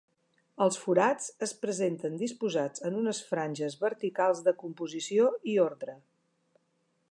Els forats es presenten disposats en unes franges verticals de composició i ordre.